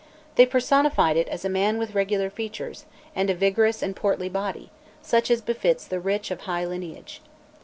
They personified it as a man with regular features, and a vigorous and portly body, such as befits the rich of high lineage.